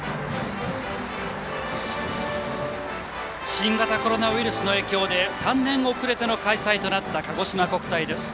新型コロナウイルスの影響で３年遅れての開催となったかごしま国体です。